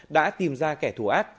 đã tìm ra kẻ thù ác